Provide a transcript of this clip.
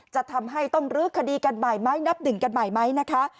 จะทำให้ต้องลื้อคดีกันใหม่ไหมนับหนึ่งกันใหม่ไหมนะคะ